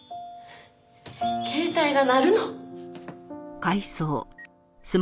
携帯が鳴るの。